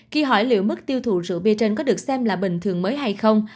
khi hỏi liệu mức tiêu thụ rượu bia trên có được xem là bình thường